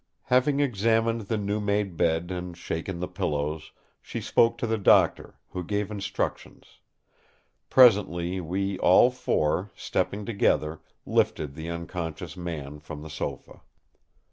Having examined the new made bed and shaken the pillows, she spoke to the Doctor, who gave instructions; presently we all four, stepping together, lifted the unconscious man from the sofa.